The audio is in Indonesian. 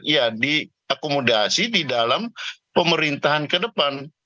ya diakomodasi di dalam pemerintahan ke depan